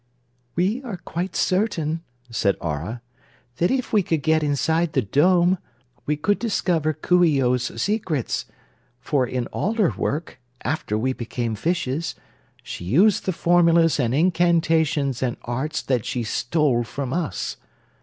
"We are quite certain," said Aurah, "that if we could get inside the Dome we could discover Coo ee oh's secrets, for in all her work, after we became fishes, she used the formulas and incantations and arts that she stole from us.